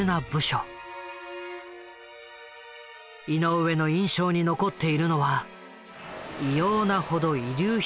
井上の印象に残っているのは異様なほど遺留品が多かったことだ。